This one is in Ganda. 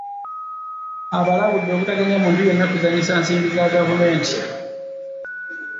Abalabude obutaganya muntu yenna kuzannyisa nsimbi za gavumenti.